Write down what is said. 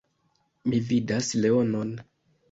Mi vidas leonon.